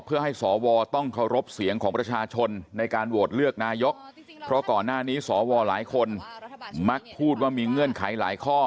เพื่อให้สวต้องเคารพเสียงของประชาชนในการโหวตเลือกนายกเพราะก่อนหน้านี้สวหลายคนมักพูดว่ามีเงื่อนไขหลายข้อ